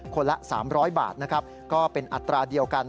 ละ๓๐๐บาทนะครับก็เป็นอัตราเดียวกัน